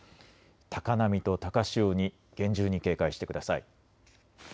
高波と高潮に厳重に警戒してください。